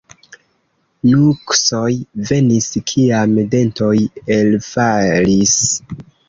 Nuksoj venis, kiam dentoj elfalis.